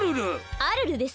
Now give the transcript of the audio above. アルルですって？